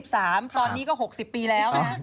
ตอนนี้ก็๖๐ปีแล้วนะฮะ